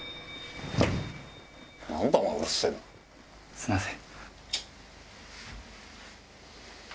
すいません。